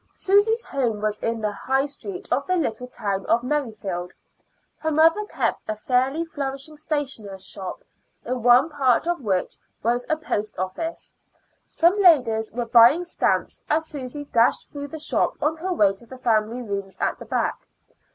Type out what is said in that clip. Susy's home was in the High Street of the little town of Merrifield. Her mother kept a fairly flourishing stationer's shop, in one part of which was a post office. Some ladies were buying stamps as Susy dashed through the shop on her way to the family rooms at the back.